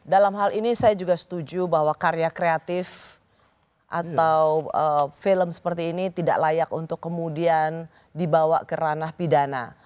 dalam hal ini saya juga setuju bahwa karya kreatif atau film seperti ini tidak layak untuk kemudian dibawa ke ranah pidana